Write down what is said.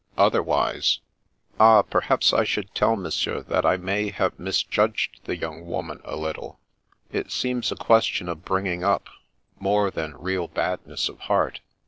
Otherwise "" Ah, perhaps I should tell monsieur that I may have misjudged the young woman a little. It seems a question of bringing up, more than real badness of heart.